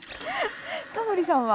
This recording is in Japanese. タモリさんは？